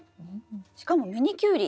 しかもミニキュウリ。